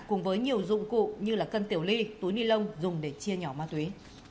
cùng với nhiều dụng cụ như cân tiểu ly túi ni lông dùng để chia nhỏ ma túy